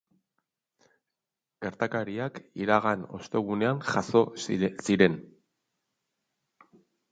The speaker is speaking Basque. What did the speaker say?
Gertakariak iragan ostegunean jazo ziren.